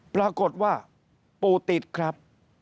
ปรากฏว่าปู่ติดครับ